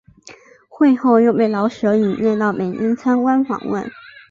会后又被老舍引介到北京参观访问。